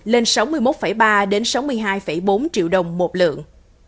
lên sáu mươi một ba đến sáu mươi hai bốn triệu đồng một lượng